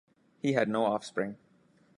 He had no offspring.